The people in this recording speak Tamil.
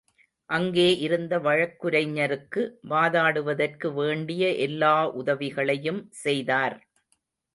அங்கே இருந்த வழக்குரைஞருக்கு வாதாடுவதற்கு வேண்டிய எல்லா உதவிகளையும் செய்தார்.